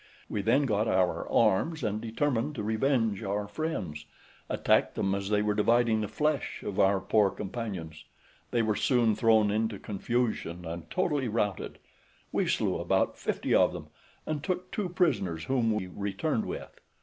We then got our arms, and, determined to revenge our friends, attacked them as they were dividing the flesh of our poor companions: they were soon thrown into confusion and totally routed; we slew about fifty of them, and took two prisoners, whom we returned with.